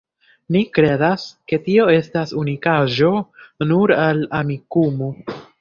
Ni kredas, ke tio estas unikaĵo nur al Amikumu.